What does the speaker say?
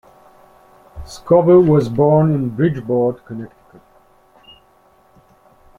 Scoville was born in Bridgeport, Connecticut.